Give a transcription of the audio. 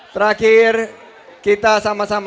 terakhir kita sama sama